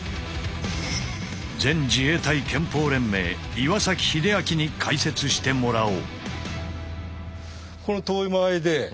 全自衛隊拳法連盟岩秀昭に解説してもらおう。